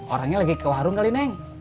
orangnya lagi ke warung kali nih